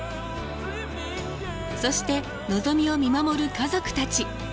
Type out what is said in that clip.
そしてのぞみを見守る家族たち。